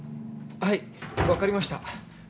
はいわかりました。